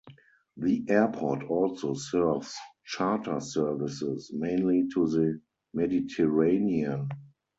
The airport also serves charter services, mainly to the Mediterranean.